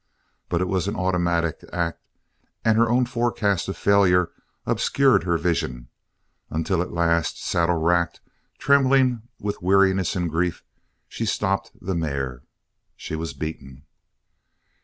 But it was an automatic act, and her own forecast of failure obscured her vision, until at last, saddle racked, trembling with weariness and grief, she stopped the mare. She was beaten!